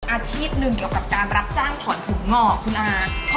อาชีพหนึ่งเกี่ยวกับการรับจ้างถอนถุงงอกคุณอา